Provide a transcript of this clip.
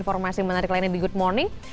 informasi menarik lainnya di good morning